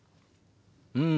うん。